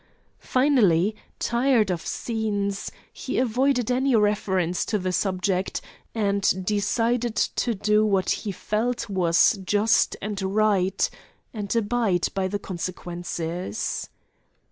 Finally, tired of scenes, he avoided any reference to the subject, and decided to do what he felt was just and right, and abide by the consequences.